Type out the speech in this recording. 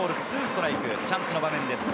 チャンスの場面です。